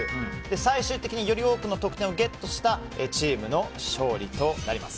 最終的により多くの得点をゲットしたチームの勝利となります。